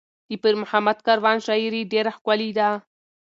د پیر محمد کاروان شاعري ډېره ښکلې ده.